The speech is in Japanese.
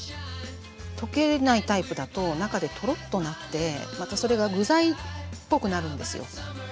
溶けないタイプだと中でトロッとなってまたそれが具材っぽくなるんですよ。